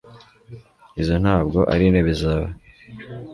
izo ntabwo arintebe zawe